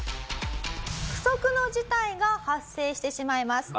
不測の事態が発生してしまいます。